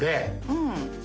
うん。